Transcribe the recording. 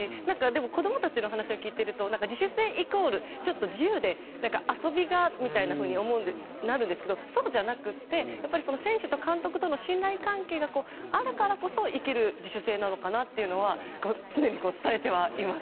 子供たちの話を聞いていると自主性イコール自由で遊びが、みたいに思うんですがそうじゃなくて選手と監督との信頼関係があるからこそ生きる自主性なのかなと常に伝えてはいます。